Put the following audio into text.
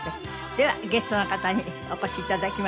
ではゲストの方にお越し頂きましょう。